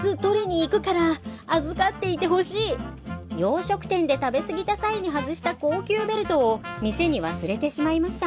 洋食店で食べ過ぎた際に外した高級ベルトを店に忘れてしまいました。